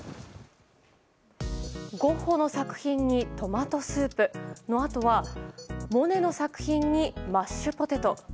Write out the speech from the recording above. ゴッホの作品にトマトスープのあとはモネの作品にマッシュポテト。